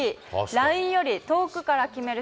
ラインより遠くから決める